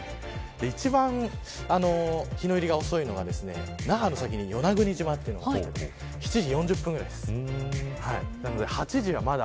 一番、日の入りが遅いのは那覇の先に与那国島７時４０分ぐらいです。